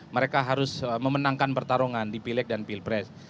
mereka harus memenangkan pertarungan di pileg dan pilpres